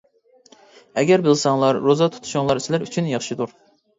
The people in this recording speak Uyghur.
ئەگەر بىلسەڭلار روزا تۇتۇشۇڭلار سىلەر ئۈچۈن ياخشىدۇر.